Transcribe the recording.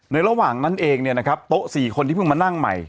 ระหว่างนั้นเองเนี่ยนะครับโต๊ะ๔คนที่เพิ่งมานั่งใหม่